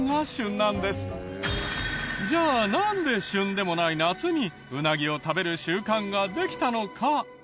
じゃあなんで旬でもない夏にウナギを食べる習慣ができたのか。